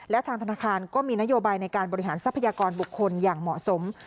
และทางธนาคารก็มีนโยบายในการบริหารทรัพยากรบุคคลอย่างเหมาะสม